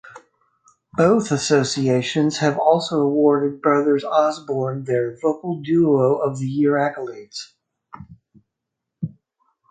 Both associations have also awarded Brothers Osborne their Vocal Duo of the Year accolades.